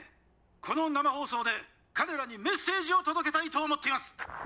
この生放送で彼らにメッセージを届けたいと思っています！」